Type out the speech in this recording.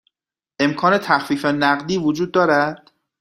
امکان تخفیف نقدی وجود دارد؟